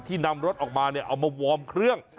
ที่นำรถออกมาเอามาวอร์มเครื่อง